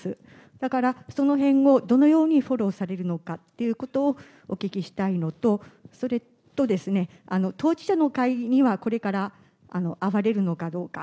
だから、そのへんをどのようにフォローされるのかっていうことをお聞きしたいのと、それと当事者の会にはこれから会われるのかどうか。